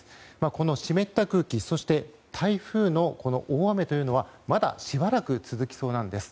この湿った空気そして台風のこの大雨というのはまだしばらく続きそうなんです。